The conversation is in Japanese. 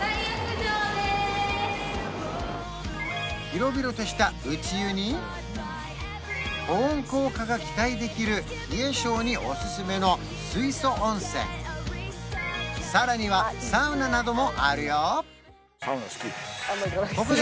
広々とした内湯に保温効果が期待できる冷え性におすすめのさらにはサウナなどもあるよ